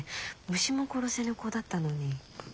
虫も殺せぬ子だったのに。